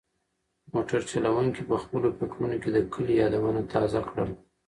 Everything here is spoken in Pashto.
موټر چلونکي په خپلو فکرونو کې د کلي یادونه تازه کړل.